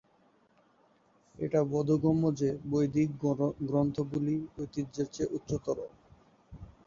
এটা বোধগম্য যে বৈদিক গ্রন্থগুলি ঐতিহ্যের চেয়ে উচ্চতর।